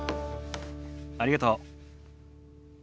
ありがとう。